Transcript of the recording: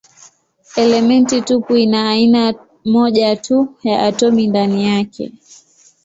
Elementi tupu ina aina moja tu ya atomi ndani yake.